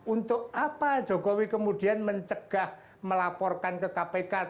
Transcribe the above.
untuk apa jokowi kemudian mencegah melaporkan ke kpk